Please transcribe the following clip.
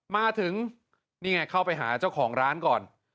มาถึงนี่ไงเข้าไปหาเจ้าของร้านก่อน